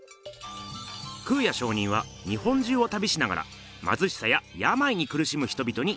空也上人は日本中をたびしながらまずしさややまいにくるしむ人々によりそいます。